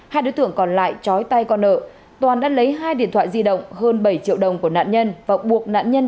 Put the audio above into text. hai đối tượng còn lại trói tay con nợ toàn đã lấy hai điện thoại di động hơn bảy triệu đồng của nạn nhân và buộc nạn nhân